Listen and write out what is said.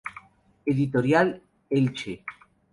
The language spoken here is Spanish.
Editorial Elche.